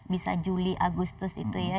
bisa juli agustus itu ya